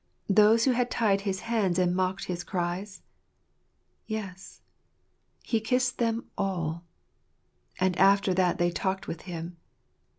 Those who had tied his hands and mocked his cries? Yes. He kissed them all And after that they talked with him.